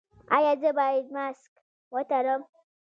ایا زه باید ماسک وتړم؟